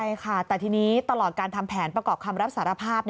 ใช่ค่ะแต่ทีนี้ตลอดการทำแผนประกอบคำรับสารภาพ